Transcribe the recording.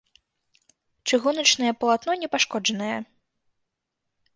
Чыгуначнае палатно не пашкоджанае.